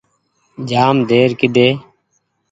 جآم دير ڪۮي